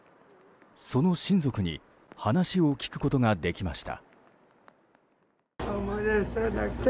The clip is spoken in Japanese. その親族に話を聞くことができました。